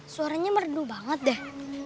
suaranya merdu banget deh